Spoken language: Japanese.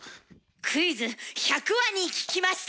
「クイズ１００羽に聞きました」！